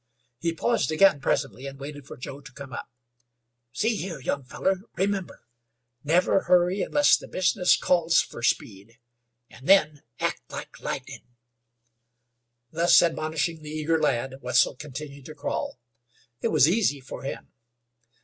He paused again, presently and waited for Joe to come up. "See here, young fellar, remember, never hurry unless the bizness calls fer speed, an' then act like lightnin'." Thus admonishing the eager lad, Wetzel continued to crawl. It was easy for him.